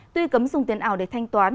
tuy cấm dùng tiền ảo để thanh toán